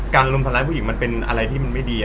การรุมทันร้ายผู้หญิงมันเป็นอะไรที่ไม่ดี